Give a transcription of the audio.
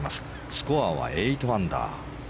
スコアは８アンダー。